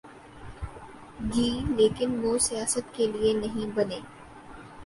گی لیکن وہ سیاست کے لئے نہیں بنے۔